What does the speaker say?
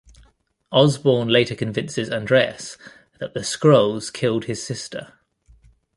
Osborn later convinces Andreas that the Skrulls killed his sister.